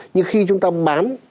như khi chúng ta bán